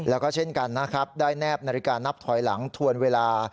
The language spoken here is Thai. แล้วก็เช่นกันนะครับได้แนบนาฬิกานับถอยหลังทวนเวลา